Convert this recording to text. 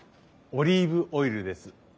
オリーブオイルです。